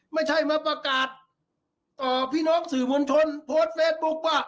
ไม่ใช่มาประกาศต่อพี่น้องสื่อมวลชนโพสต์เฟซบุ๊คว่า